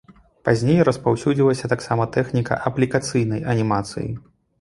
Пазней распаўсюдзілася таксама тэхніка аплікацыйнай анімацыі.